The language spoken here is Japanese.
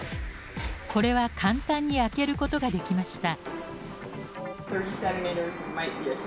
これは簡単に開けることができました。